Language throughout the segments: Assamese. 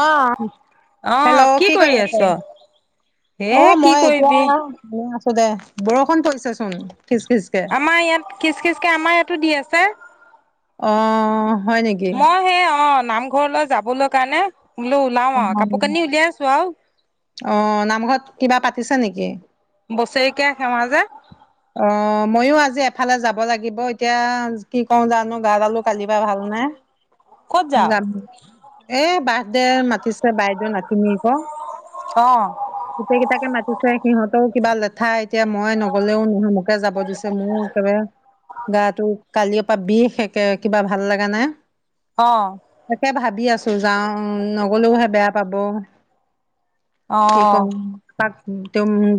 অ হেল্ল' কি কৰি আছে অ এ কি মই এতিয়া কৰিবি এনেই আছো দে বৰষুণ পৰিছে চোন খিচ খিচকে আমাৰ ইয়াত কিচ কিচ কে আমাৰ ইয়াত টো দি আছে অ হয় নেকি? মই সে অ নামঘৰলৈ যাবলৈ কাৰণে বোলো উলাও কাপোৰ কানি উলিয়াই আছো আও। অহ নামঘৰত কিবা পাতিছো নেকি? বছেৰেকীয়া সেৱা যে অ ময়ো আজি এফালে যাব লাগিব এতিয়া কি কওঁ জানো গা দালো কালি পা ভাল নাই ক'ত যাওঁ [unintelligible] এ বাৰ্থ ডে মাতিছে বাইদেউ নাতিনীয়েক, অ' গোটেই কেইটাকে মাতিছে সিহঁতও কিবা লেঠা এতিয়া মই নগলেও মোকে যাব দিছে মোৰ একেবাৰে গাটো কালিৰ পৰা বিষ একে কিবা ভাল লাগা নাই। অ। বি আছো যাওঁ নগলেওহে বেয়া পাব। কি অ' কম তাক [unintelligible]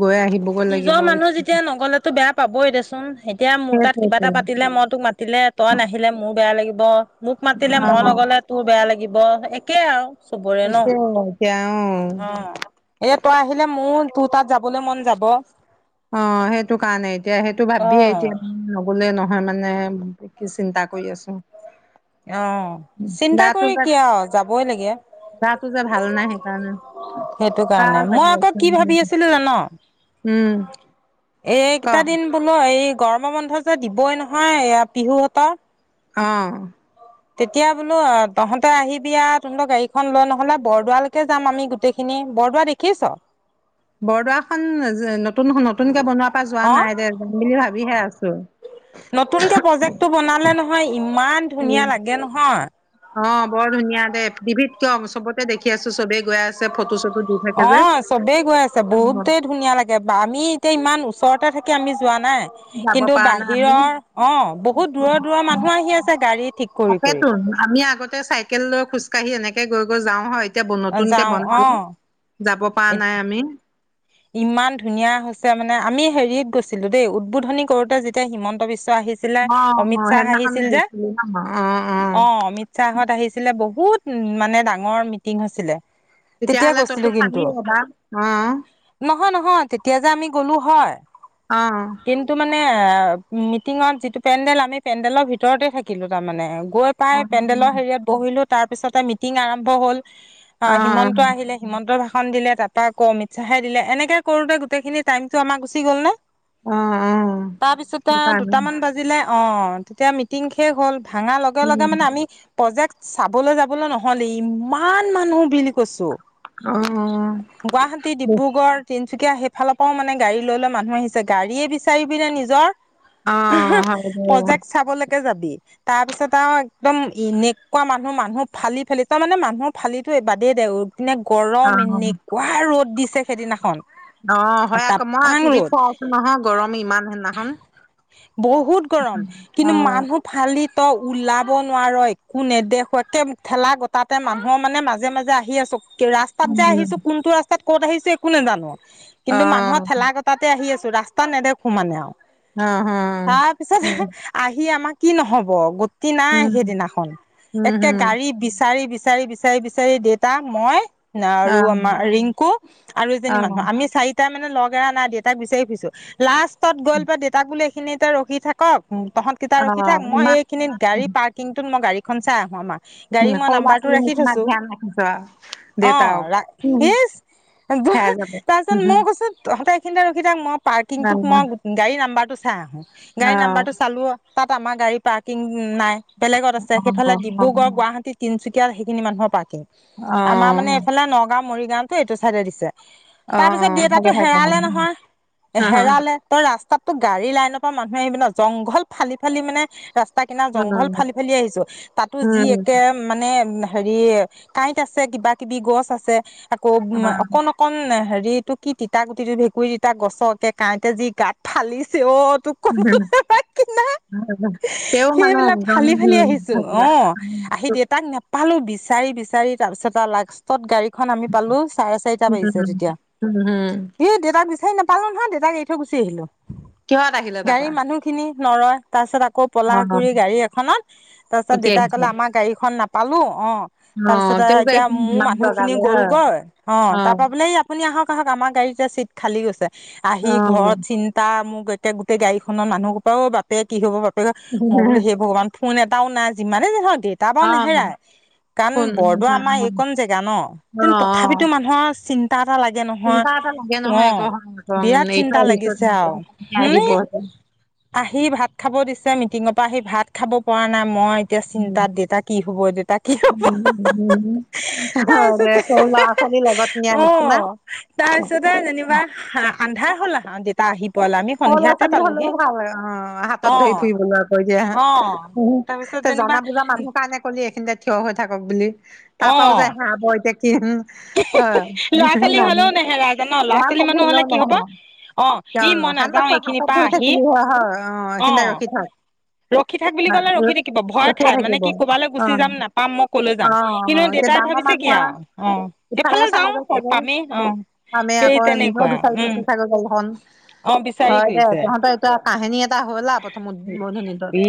নিজৰ লাগিব মানুহ যেতিয়া নগলেতো বেয়া পাবই দেচোন। এতিয়া মোৰ তাত কিবা সেইটোৱেতো এটা পাতিলে মই তোক মাতিলে তই নাহিলে মোৰ বেয়া লাগিব। মোক মাতিলে অ মই নগলে তোৰ বেয়া লাগিব ব একে আৰু চবৰে ন' সেইটোৱে এতিয়া অ, এ তই আহিলে মোৰ তোৰ তাত যাবলৈ মন যা- ব অ, সেইটো কাৰণে এতিয়া সেইটো ভাবিয়ে অ', এতিয়া [unintelligible] নগলে নহ [unintelligible] মানে [unintelligible] চিন্তা কৰি আছো। অ, চিন্তা গাটো কৰি যে কি আৰু যাবই লাগে গাটো যে ভাল নাই সেইকাৰণে সেইটো কিবা কাৰণে মই লাগি আকৌ আছে কি ভাবি আছিলো জান এই উম ক কেইটা দিন বোলো এই গৰম বন্ধ যে দিবই নহয় এয়া পিহুহতৰ অ তেতিয়া বোলো তহঁতে আহিবি আ তহঁতৰ গাড়ীখন লয় নহলে বৰদোৱালৈকে যাম আমি গোটেইখিনি বৰদোৱা দেখিছ বৰদোৱা খন নতুন খন নতুনকে বনোৱা পা যোৱা অ', নাই দে যাম বুলি ভাবিহে আছো হয় ইমান ধুনীয়া উম লাগে নহয় অ বৰ ধুনীয়া দে টিভিত কিয় চবতে দেখি আছো চবে গৈ আছে ফট অ চবেই গৈ আছে অ বহুতেই ধুনীয়া লাগে আমি এতিয়া ইমান ওচৰতে থাক কি আমি যোৱা নাই যাব কিন্তু পৰা নাই আমি বাহিৰৰ অ বহুত দূৰৰ দূৰৰ মানুহ আহি আছে গাড়ী ঠিক কৰি কৰি তাকেতো কাঢ়ি এনেকে গৈ গৈ যাওঁ হয় এতিয়া নতুন কে যাওঁ অ বনালে যাব পৰা নাই আমি ইমান ধুনীয়া হৈছে মানে আমি হেৰিত গৈছিলো দেই উদ্বোধনী কৰোতে যেতিয়া হিমন্ত বিশ্ব আহিছিলে অ অ অমিত শ্বাহ সেইদিনাখন আহিছিল যে গৈছিলি ন অ অ অমিত শ্বাহহঁত আহিছিল আছিলে বহুত উ মানে ডাঙৰ মিটিং হৈছিলে তেতিয়া তেতিয়াহলে গৈছিলো তয়তো কিন্তু চালি এবাৰ অ নহয় নহয় তেতিয়া যে আমি গ'লো হয় কিন্তু আহ মানে মিটিঙত যিটো পেণ্ডেল আমি পেণ্ডেলৰ ভিতৰতে থাকিলো তাৰমানে গৈ পাই অ পেণ্ডেলৰ হেৰিয়ত বহিলোঁ তাৰ পিছতে মিটিং আৰম্ভ হ'ল অ হিমন্ত আহিলে হিমন্ত ভাষন খন দিলে তাৰ পৰা আকৌ অমিত শ্বাহে দিলে এনেকে কৰো দে গোটেইখিনি টাইমটো আমাক গুচি গল নে অ অ তাৰপিছতে সেইকাৰণে দুটামান বাজিলে অ তেতিয়া মিটিং শেষ হ'ল ভাঙা লগে লগে মানে আমি প্ৰজেক্ট চাবলৈ যাবলৈ নহ'লে ইমান মানুহ বুলি কৈছোঁ অ অ গুৱাহাটী ডিব্ৰুগড় তিচুকীয়া সেইফালৰ পৰাও মানে গাড়ী লৈ লৈ মানুহ আহিছে গাড়ীয়ে বিচাৰিবি নে নিজৰ অ হয় দে প্ৰজেক্ট চাবলৈ যাবি তাৰ পিছত আৰু একদম এনেকুৱা মানুহ মানুহ ফালি ফালি তই মানে মানুহৰ ফালি বাদেই দে এনে গৰম অ এনেকুৱা ৰ'দ দিছে সেইদিনাখন অ হয় আকৌ মই তাপাং টিভিত ৰ'দ চাইআছো নহয় গৰম ইমান হেএদিনা হন বহুত ত ওলাব নোৱাৰ একো নেদেখো একে ঠেলা গোটাতে মানুহৰ মানে মাজে মাজে আহি আছো ৰাস্তাত যাই উম। আহিছো কোনটো ৰাস্তাত ক'ত আহিছে একো নোজানো কিন্তু মানুহৰ ঠেলা কটাতে আহি আছো ৰাস্তা নেদেখো মানে আওঁ অ হ তাৰ পিছত আহি আমাক কি নহব গোট গুতি নাই উম সেইদিনাখন উম একে হম গাড়ী বিচাৰি বিচাৰি বিচাৰি বিচাৰি দেউতা মই না অ আৰু আমাৰ ৰিংকু আৰু অ এজনী মান চাৰিটাই মানে লগ এৰা নাই দেউতাক বিচাৰি ফুৰিছো লাষ্ট লাষ্টত গৈল পাই দেউতাক বোলে খিনিতে ৰখি থাকক। তহঁত কিতা অ ৰখি থাক, মই ইমান এইখিনি গাড়ী পাৰ্কিংটোত মই গাড়ী খন চাই আহো আমাৰ। গাড়ী মই সৰু ল'ৰা নাম্বাৰটো ছোৱালী ৰাখি নিচিনা থৈছো। ধ্যান ৰাখিছ আও অ' দেউতাওক হেৰাই [unintelligible] যাব তাৰপিছত মোৰ কচত স ৰখি থাক মই। অ অ পাৰ্কিংটোত মই গাড়ী নাম্বাৰ চাই আহো। অ গাড়ীৰ নাম্বাৰ টো চালো। তাত আমাৰ গাড়ী পাৰ্কিং নাই। বেলেগত আছে সেইফালে অ ডিব্ৰুগড় অ গুৱাহাটী তিনিচুকীয়া এয়া সেইখিনি মানুহৰ পাৰ্কিং। আমাৰ মানে এইফালে নগাও। মৰিগাঁও টো এইটো চাইডে দিছে। অ অ তাৰ পিছত ভালে দেউতাতো থাকক অ হেৰালে নহয়, হেৰালে তই ৰাস্তাতো গাড়ী লাইনৰ পৰা মানুহ [unintelligible] জংঘল ফালি ফালি মানে ৰাস্তা কিনাৰত উম জংঘল ফালি ফালি আহিছো তাতো যি উম একে মানে হেৰি কাঁইট আছে, কিবা-কিবি গছ আছে [unintelligible] উম হেৰিটো কি তিতা গুটিটো ভেঁকুৰী তিতা গছ একে কাঁইটে যি গাত ফালিছে অ'' অ [unintelligible] -কি তেওঁ মানুহ সেইবিলাক একদম ফালি ফালি উম আহিছো অ হাজিৰা উম আহি দে চু- তাক ন পালোঁ বিচাৰি বিচাৰি তাৰপিছত আৰু লাষ্টত গাড়ী। খন আমি পালো চাৰে চাৰি। সাত পা বাজিছে তেতিয়া উম হম ই দেউতাক বিচাৰি নাপালোঁ পাল নহয় দেতাক এৰি থৈ গুচি আহিলো কিহত আহিলে তাপা গাড়ীৰ মানুহ খিনি নৰয় তাৰ পিছত। আকৌ পলাশ গুৰি গাড়ী এখনত তাৰ পিছত উঠি দেতাই আহিছে কলে আমাৰ গাড়ীখন নাপ পালোঁ। অ' অ তাৰপিছতে তেওঁ যে এতিয়া এইখিনি মোৰ যিমান মানুহখিনি লগালে হয় গ'লগৈ অ' তাৰ পৰা বোলে এই আপুনি আহক আহক আমাৰ গাড়ীতে চিট খালি গৈছে। আহি অ ঘৰত চিন্তা মোৰ। এতিয়া গোটেই গাড়ী খনৰ মানুহ সোপাও বাপে কি হব বাপে মই বোল সেই ভগৱান ফোন এটাও নাই যিমানেই যি নহওঁক দেই, তাৰ পৰাও অ নেহেৰাই। কাৰণ ফোন বৰদোৱা অ আমাৰ এইকন জেগা ন। অ কিন্তু তথাপিতো মানুহৰ চিন্তা এটা লাগে নহয়, চিন্তা এটা লাগে নহয় অ' আকৌ হয় আকৌ উম, বিৰাট এৰি চিন্তা থৈ আহিছো লাগিছে তেনেকে, আৰু কেনেকে হু আহিব এতিয়া। আহি ভাত খাব দিছে। মিঠ টিঙৰ পৰা আহি ভাত খাব পৰা নাই মই। এতিয়া উম, চিন্তাত দেতা কি হব দেউতা কি হব? উম, উম, উম। হয় দে তাৰপিছতে সৰু ল'ৰা ছোৱালীৰ লগত নিয়া অ নিচিনা তাৰপিছতে যেনিবা আন্ধাৰ হ'ল আহা দেউতা আহি পোৱালে আমি সৰু ল'ৰা সন্ধিয়াতে ছোৱালী পালোহি হলেও ভাল অ হাতত ধৰি অ', ফুৰিবলৈ কৈ অ', তাৰপিছত দিয়া যেনিবা জানা বুজা মানুহ কাৰণে কলি এইখিনিতে থিয় হৈ থাক থাকক বুলি। তাৰাপাও অ', যে হেৰাব এতিয়া কিন ল'ৰা ছোৱালী হ'লেও নেহেৰাই ন ল'ৰা ছোৱালী মানুহ হলে কি হব অ ই মই সান্দক নাযাও তই এইখিনিৰ হাতত পৰা ধৰি আহি থাকিলি হয় হয় অ এইখিনিতে ৰখি থাক ৰখি থাক বুলি কলে ৰখি হয়, থাকিব ভয় ৰখিয়ে খাই মানে থাকিব কি অ ক'বালৈ গুচি যাম অ নাপাম মই কলৈ অ যাম কিন্তু এতিয়া দেউতাই ডাঙৰ ভাবিছে মানুহ কিয় আও অ এফালে যাওঁ পামেই অ আমে সেই আকৌ নিজৰ তেনেকুৱা বিচাৰি উম ফুৰিছে ছাগল খন অ বিচাৰি হয় দে ফুৰিছে তহঁতৰ এটা কাহেনি ই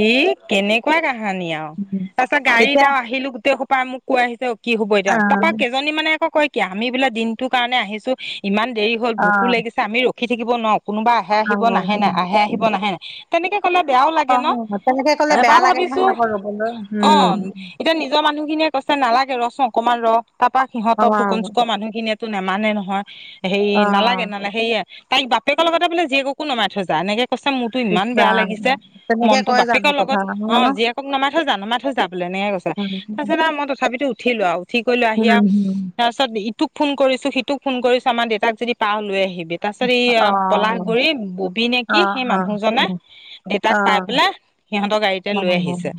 কেনেকুৱা কাহানী আৰু তাৰ পিছত গাড়ীত এতিয়া আৰু আহিলো গোটেই সোপা মোক কৈ আহিছে কি হ'ব এতিয়া তাপা কেইজনী মানে আকৌ কয় আমি বোলে দিনটোৰ কাৰণে আহিছো ইমান দেৰি হ'ল, অ ভোকো লাগিছে আমি ৰ খি থাকিব নোৱাৰোঁ। কোনোবা আহে অ আহিব, নাহে নাই। আহে অ আহিব, নাহে তেনেকে, কলে বেয়াও লাগে ন' অ', তেনেকে ক'লে এবাৰ বেয়া লাগে ভাবিছো নহয় আকৌ ৰ'বলৈ, উম, অ', এতিয়া নিজৰ মানুহখিনিয়ে কৈছে নালাগে ৰচোন কমান ৰ তাপা সিহঁতক ফুকন অ', চুকৰ মানুহখিনিয়েতো নেমানে নহ হয়। সে নালাগে অ', নালা সেয়ে তাইক বাপেকৰ লগতে বোলে জীয়েককো নমাই থ যা, এনেকে কৈছে মোৰতো ইচ ইমান বেয়া ৰাম, লাগিছে তেনেকে মনতো কয় জানো বাপেকৰ কথা লগত অ', জীয়েকক নমাই থৈ যা, নমাই থৈ যা বোলে এনেকে কৈছে। উম, তাৰপিছত আৰু মই তথাপিতো উঠিলো আৰু উঠি কলো আহি আৰু হুম, তাৰপাছত ইটোক ফোন কৰিছোঁ সিটোক ফোন কৰিছোঁ আমাৰ দেউতাক যদি পাও লৈ আহিবি। তাৰ পিছত ই অ', পলাশ অ', গুৰিৰ ববি নে কি অ', সেই মানুহজনে অ'। অ, দেতাক পাই পেলাই সিহঁতৰ গাড়ীতে অ, লৈ আহিছে।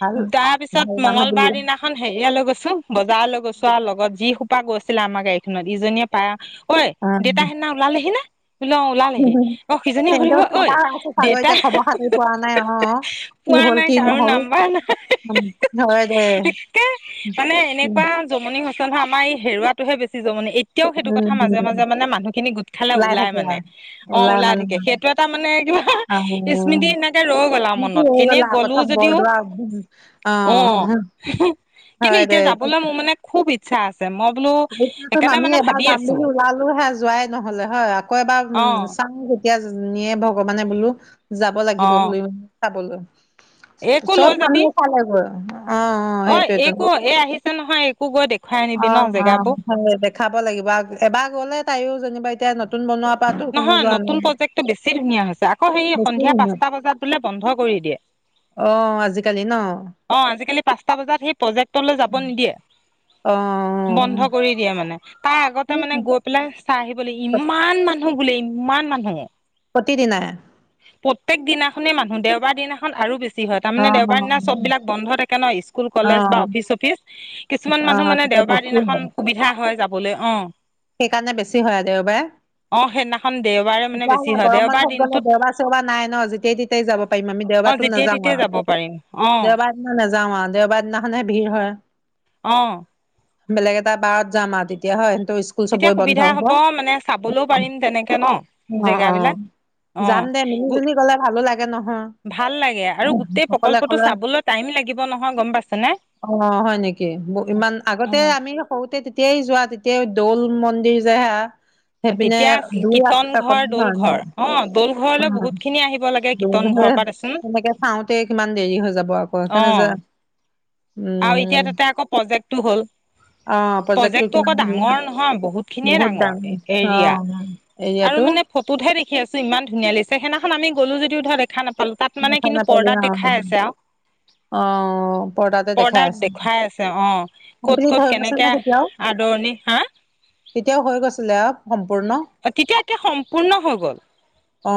ভাল, তাৰ পিছত ভাল মানুহ বুলি মংগলবাৰ দিনাখন হেৰিয়ে গৈছে, বজাৰলৈ গৈছো আৰু লগত যি পা গৈছিলে আমাৰ গাড়ীখনত ইজনীয়ে পায় ঐ দেউতা অ', সেইদিনা ওলালেহি নে? অ', ওলালেহি অ', সিজনীয়ে সুৰিব ঐ দেউতা সাগৰিকা খবৰ খাতিৰ পোৱা নাই অ' কি পোৱা হ'ল, নাই কি কাৰো নহ'ল, নাম্বাৰ হয় দে। নাইকে মানে এনেকুৱা [unintelligible] আমাৰ এই হেৰুৱাটোহে বেছি জমনি, এ এতিয়াও সেইটো কথা উম, মাজে মাজে মানে মানুহখিনি গোট খালে ওলাই থাকে মানে। আৰু অ' ওলাই থাকে সেইটো এটা মানে কিবা আহ স্মৃতি সনেকে ৰৈ গ'ল আৰু মোৰতো মনত। হৈ এনে গ'ল গ'লো প্ৰথম যদিও, বৰদোৱা উম, অ', কিন্তু এতিয়া যাবলৈ মোৰ মানে খুব ইচ্ছা আছ আমি এবাৰ যাম আছো বুলি ওলালো হে যোৱাই নহ'লে হয়। আকৌ এবাৰ অ উম, চাওঁ কেতিয়া নিয়ে ভগ ভগৱানে বোলো যাব অ লাগিব বোলো। খাবলৈ এইকো লৈ চব যাবি মানুহে চালে গৈ। অ', এইকো এ, আহিছ ছে নহয় একো গৈ দেখ অ', অ', হয় দেখাব লাগিব। এবাৰ গ'লে তাইও যেনিবা এতিয়া নতুন বনোৱা নহয় নতুন প্ৰজেক্টটো বেছি ধুনীয়া হৈছে। আকৌ সেই বেছি সন্ধিয়া সময় পাঁচটা বজাত বোলে বন্ধ কৰি দিয়ে। অ আজিকালি ন অ', আজিকালি পাঁচটা বজাত সেই প্ৰজেক্টলৈ যাব নিদিয়ে। অ অ বন্ধ কৰি দিয়ে মানে। তাই আগতে মানে অ'। গৈ পেলাই চাই আহিবলৈ ইমান মা টো বুলি, ইমান মানুহ। প্ৰতিদিনাই। প্ৰত্যেক দিনাখনেই মানুহ, দেওবাৰ দিনাখন আৰু বেছি হয়। অ তাৰমানে অ দেওবাৰ দিনা চব বিলাক বন্ধ থাকে ন, স্কুল অ কলেজ অ'। বা অফিচ চফিচ। কিছুমান মানুহ অ', মানে তেতিয়া দেওবাৰ বেছি হয়। দিনাখন সুবিধা হয় যাব বলে, অ'। সেইকাৰণে বেছি হয় আৰু দেওবাৰে। অ সেইদিনাখন দেওবাৰে মানে বেছি তেতিয়াহলে হয় গৰম দেওবাৰ বন্ধত গলে দিনটোত দেওবাৰ চেওবাৰ নাই ন, যেতিয়াই তেতিয়াই যাব পাৰিম। আমি অ দেওবাৰটোত যেতিয়াই নেযাওঁ তেতিয়াই আও। যাব পাৰিম অ দেওবাৰ দিনা নেযাওঁ আও। দেওবাৰ দিনাখনহে ভিৰ হয়। ব অ। বেলেগ এটা বাৰত যাম আৰু, তেতিয়া হয় সেইটো তেতিয়া সুবিধা হব, মানে চাবলৈও পাৰিম তেনেকে ন। অ', অ, জেগাবিলাক অ যাম দে মিলি জুলি গ'লে ভালো লাগে নহয়, ভাল লাগে আৰু গোটেই অকলে প্ৰকল্পটো অকলে, চাবলৈ টাইম লাগিব নহয় গম পাইছেনে অ, হয় নেকি ইমান আগতে অ আমি সৰুতে তেতিয়াই যোৱা। তেতিয়া দৌল মন্দিৰ যে হা? সেইপিনে তেতিয়া আছিল দূৰ আছ কীৰ্তন ঘৰ দৌল ঘৰ অ দৌল ঘৰলৈ বহুত খিনি আহিব লাগে কীৰ্তন ঘৰৰ [unintelligible] পৰা দেচোন সনেকে চাওঁতে কিমান দেৰি হৈ যাব আকৌ অ সেইকাৰণে যে আৰু এতিয়া উম তাতে আকৌ প্ৰজেক্টটো হ'ল, অ প্ৰজেক্টটো কিমান আকৌ ধুনীয়া ডাঙৰ নহয় বহুতখিনিয়ে ডাঙৰ, অ এৰিয়া, আৰু এৰিয়াটো মানে ফটোত হে দে সি আছে ইমান ধনীয়া লাগিছে সেইদিনাখন আমি গ'লো যদি ধৰ দেখা নাপ দেখা নাপালি অ, অ, পৰ্দা পৰ্দাত দেখুৱাই আছে, অ', ক'ত কমপ্লিট হৈ ক'ত গৈছে নে কেনেকে তেতিয়াও আদৰণি, হা? তেতিয়াও হৈ গৈছিলে আৰু সম্পূৰ্ণ অ', তেতিয়া এতিয়া সম্পূৰ্ণ হৈ গ'ল, অ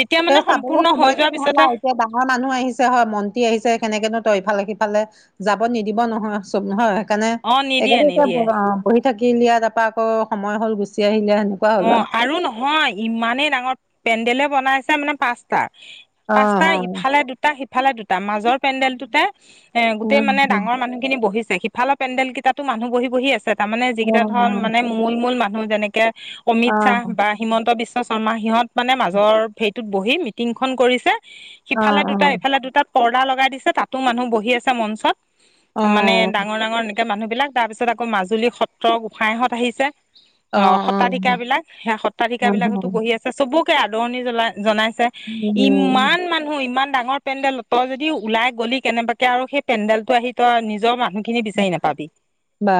যেতিয়া মানে সম্পূৰ্ণ হৈ মইতো যোৱাৰ নহালা পিছতে এতিয়া ডাঙৰ মানুহ আহিছে হয় মন্ত্ৰী আহিছে সেনেকেনো ত ইফালে সিফালে, যাব নিদিব নহয় চব হয়। কাৰণে, অ নিদিয়ে নিদিয়ে [unintelligible] বহি থাকিলি আকৌ তাৰপা আকৌ সময় হ'ল গুচি আহিল। অ' আৰু নহয় ইমানেই ডাঙৰ পেণ্ডেলে বনাইছে মানে পাঁচটা। পাঁচটা ইফালে দুটা সিফালে ইফালে দুটা মাজত মাজৰ পেণ্ডেল টোতে গোটেই মানে ডাঙৰ মানুহ খিনি বহিছে। সিফালৰ পেডেল কেইাতো মানুহ বহি বহি আছে তাৰমানে যিকেইটা ধৰণ মানে মূল মূল মানুহ যেনেকে অমিত শ্বাহ বা হিমন্ত বিশ্ব ছয়মাহীত মানে মাজৰ ভেদ ত বহি মিটিং খন কৰিছে সিফালে দুটা ইফালে দুটাত পৰ্দা লগাই দিছে তাতো মানুহ বহি আছে মঞ্চত অঁ, মানে অঁ, ডাঙৰ ডাঙৰ মানুহবিলাক তাৰ পিছত আকৌ মাজুলী সত্ৰ গোসাইহঁত আহিছে অ অ বিলাক সেয়া সত্ৰাধিকাৰ বিলাকতো বহি আছে চবো আদৰণি জনাই জনাইছে ইমান মানুহ ইমান ডাঙৰ পেণ্ডেল তই যদি ওলাই গলি কেনেবাকে আৰু সেই পেণ্ডেলটো আহি তই নিজৰ মানুহ বা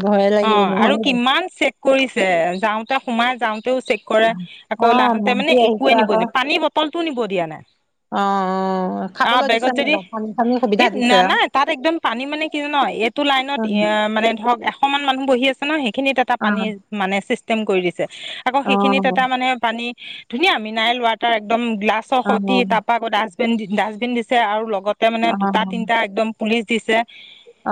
ভয়ে অ লাগিব মোৰ আৰু কিমান কৰিছে যাওঁতে সোমাই যাওঁ যাওঁতেও চেক কৰে আকৌ অ আহতে মান্তি মানে আহিছে একোৱে নিব আকৌ পানী বতলটো নিব দিয়া নাই অ অ অ খাবলৈ দিছে বেগত নে যদি নাই পানী চানী সুবিধা এই দিছে নানা নাই তাত একদম পানী মানে কি জানো এইটো লাইনত আৰু এশমান মানুহ বহি [unintelligible] খিনিত এটা অ পানী মানে কৰি দিছে আকৌ অ সেইখিনিত এটা মানে পানী ধুনীয়া মিনাৰেল ওৱাটাৰ একদম গ্লাছৰ অ সতি তাৰপা আগত আ ডাষ্টবিন দিছে আৰু লগ আগতে মানে অ দুটা তিনিটা একদম পুলিচ দিছে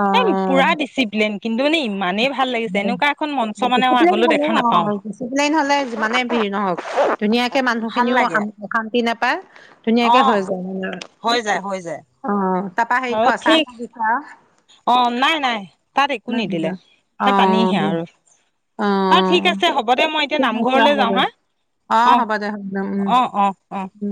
অ অ এম পুৰা ডিচিপ্লিন কিন্তু মানে ইমানেই ভাল লাগিছে এনেকুৱা এখন মঞ্চ মানে ডিচিপ্লিন আগলৈ হ'লে দেখা অ নাপা ডিচিপ্লিন হলেই নহলে যিমানে ভিৰ নহওক ধুনীয়াকে ভাল মানুহখিনিও লাগে অশান্তি নাপায় অ ধুনীয়াকে হৈ যায় হৈ যায় হৈ যায় অ [unintelligible] অঁ নাই নাই তাত একো নিদিলে আৰু সে অ পানীহে আৰু অ অঁ ঠিক আছে হ'ব দে মই এতিয়া ঠিক আছে নামঘৰলে হ'ব যাওঁ দে হা অ হ'ব দে হ'ব দে উম অঁ অঁ অঁ উম